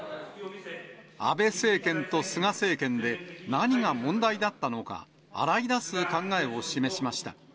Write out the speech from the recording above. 安倍政権と菅政権で何が問題だったのか、洗い出す考えを示しました。